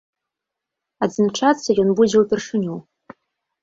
Адзначацца ён будзе ўпершыню.